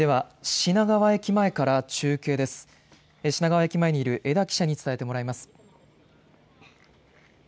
品川駅前にいる江田記者に伝えてもらいます。